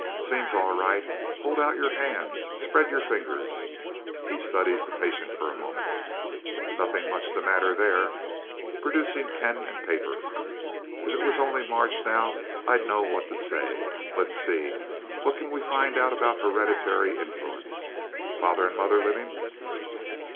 Seems all right. Hold out your hands. Spread your fingers. (He studies the patient for a moment.) Nothing much the matter there. (Producing pen and paper.) If it was only March now I'd know what to say. Let's see what we can find out about hereditary influence. Father and mother living?